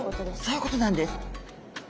そういうことなんです。